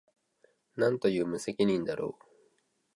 何という無責任だろう